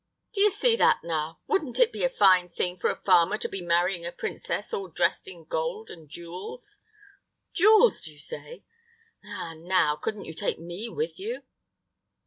"Do you see that, now! Wouldn't it be a fine thing for a farmer to be marrying a princess, all dressed in gold and jewels?" "Jewels, do you say? Ah, now, couldn't you take me with you?"